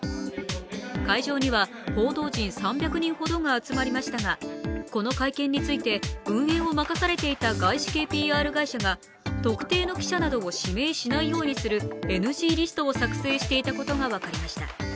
会場には報道陣３００人ほどが集まりましたがこの会見について運営を任されていた外資系ＰＲ会社が特定の記者などを指名しないようにするＮＧリストを作成していたことが分かりました。